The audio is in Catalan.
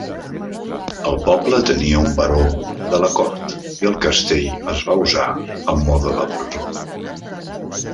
El poble tenia un baró de la cort i el castell es va usar a mode de presó.